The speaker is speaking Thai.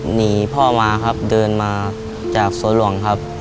หนีพ่อมาครับเดินมาจากสวนหลวงครับ